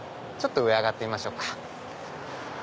ちょっと上上がってみましょうか。